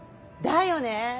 だよね？